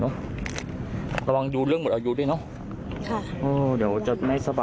ซักตากข้างล่อแล้วมันแห้งก็เอาเข้ามา